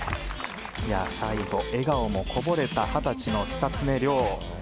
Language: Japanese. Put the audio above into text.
最後、笑顔もこぼれた二十歳の久常涼。